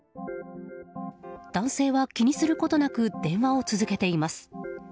男性は気にすることなく電話を続けています。